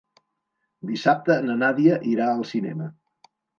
Dissabte na Nàdia irà al cinema.